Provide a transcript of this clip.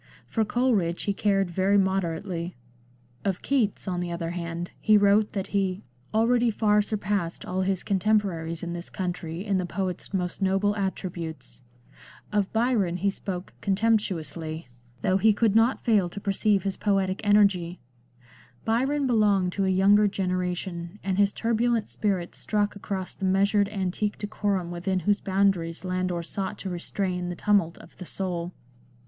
For Coleridge he cared very moder ately. Of Keats, on the other hand, he wrote that he " already far surpassed all his contemporaries in this country in the poet's most noble attributes." Of Byion he spoke contemptuously, LANDOR. xvii though he could not fail to perceive his poetic energy. Byron belonged to a younger generation, and his turbulent spirit struck across the measured antique decorum within whose boundaries Landor sought to restrain the tumult of the soul.